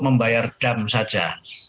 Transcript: membayar dam saja